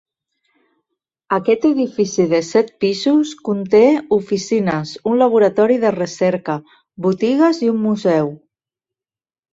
Aquest edifici de set pisos conté oficines, un laboratori de recerca, botigues i un museu.